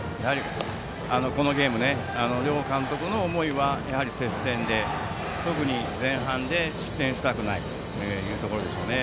このゲーム、両監督の思いはやはり、接戦で特に前半で失点したくないというところでしょうね。